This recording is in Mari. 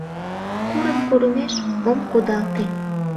Курым курымеш ом кудалте.